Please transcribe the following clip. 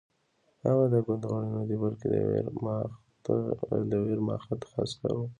هغه د ګوند غړی نه دی بلکې د ویرماخت عسکر و